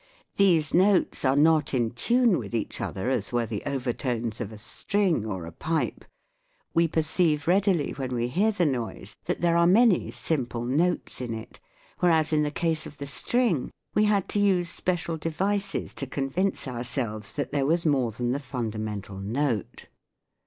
These notes are not in tune with each other, as were the over tones of a string or a pipe ; we perceive readily when we hear the noise that there are many simple notes in it, whereas in the case of the string we had to use special devices to convince ourselves that there was more than the funda mental note.